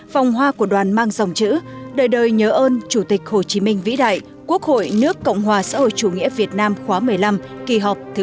vòng hoa của đoàn mang dòng chữ đời đời nhớ ơn chủ tịch hồ chí minh vĩ đại quốc hội nước cộng hòa xã hội chủ nghĩa việt nam khóa một mươi năm kỳ họp thứ một mươi bốn